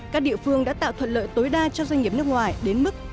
các địa phương đã tạo thuận lợi tối đa cho doanh nghiệp nước ngoài đến mức